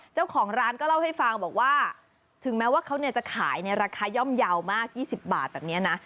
เจ้าของร้านก็เล่าให้ฟังบอกว่าถึงแม้ว่าเขาจะขายในราคาย่อมเยาว์มาก๒๐บาทแบบนี้นะ